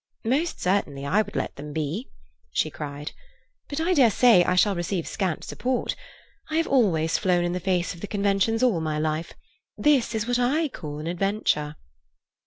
"Most certainly I would let them be," she cried. "But I dare say I shall receive scant support. I have always flown in the face of the conventions all my life. This is what I call an adventure."